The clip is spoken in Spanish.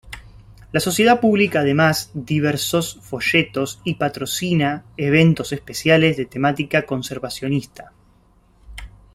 La sociedad publica además diversos folletos y patrocina eventos especiales de temática conservacionista.